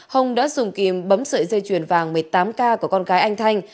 hồng đã dùng kìm bấm sợi dây chuyền vàng một mươi tám k của con cái anh thanh